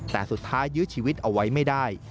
แต่สุดท้ายยื้อชีวิตเอาไว้ไม่ได้